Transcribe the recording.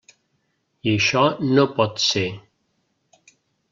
I això no pot ser.